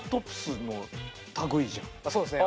そうですね。